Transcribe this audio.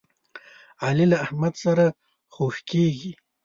علي له احمد سره خوږ کېږي.